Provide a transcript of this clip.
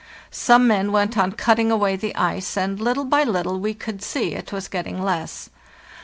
Some men went on cutting away the ice, and little by little we could see it was getting less.